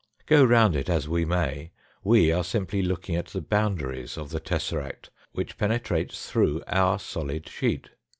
G O round it as we may we are simply looking at the boundaries of the tesseract which penetrates through our solid sheet.